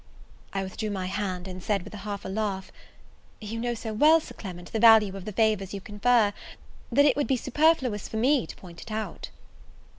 I withdrew my hand, and said with half a laugh, "You know so well, Sir Clement, the value of the favours you confer, that it would be superfluous for me to point it out."